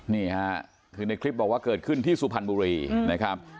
นี่ค่ะคือในคลิปบอกว่าเกิดขึ้นที่สุพรรณบุรีนะครับ